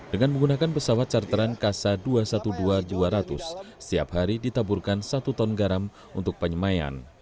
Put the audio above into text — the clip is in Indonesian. dengan menggunakan pesawat charteran kasa dua ratus dua belas dua ratus setiap hari ditaburkan satu ton garam untuk penyemayan